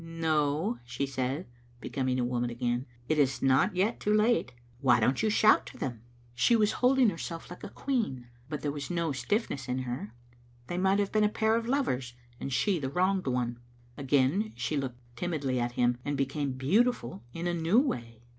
" No," she said, becoming a woman again, "it is not yet too late. Why don't you shout to them?" She was holding herself like a queen, but there was no stiffness in her. They might have been a pair of lovers, and she the wronged one. Again she looked Digitized by VjOOQ IC Btt^acltl^ ot tbe miomam 75 timidly at him, and became beautiful in a new way.